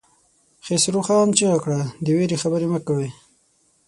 خسرو خان چيغه کړه! د وېرې خبرې مه کوئ!